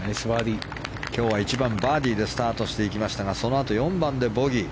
今日は１番、バーディーでスタートしていきましたがそのあと、４番でボギー。